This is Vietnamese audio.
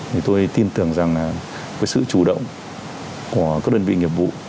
thì tôi tin tưởng rằng với sự chủ động của các đơn vị nghiệp vụ